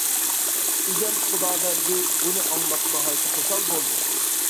ئىگەم خۇدابەردى بۇنى ئاڭلاپ، ناھايىتى خۇشال بولدى.